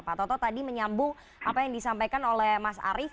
pak toto tadi menyambung apa yang disampaikan oleh mas arief